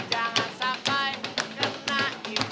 sahur sahur sahur